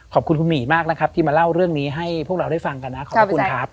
ขอบคุณคุณหมี่มากนะครับที่มาเล่าเรื่องนี้ให้พวกเราได้ฟังกันนะขอบพระคุณครับ